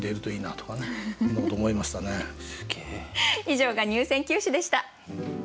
以上が入選九首でした。